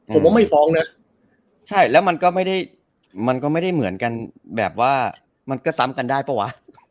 ผมว่าไม่ฟ้องนะใช่แล้วมันก็ไม่ได้มันก็ไม่ได้เหมือนกันแบบว่ามันก็ซ้ำกันได้เปล่าวะ